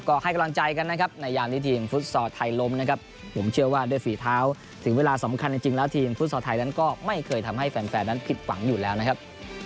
ก็ให้กำลังใจกันนะครับในยามที่ทีมฟุตซอร์ไทยล้มนะครับ